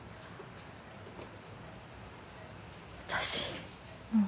私もう。